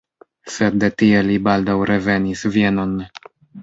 Sed de tie li baldaŭ revenis Vienon.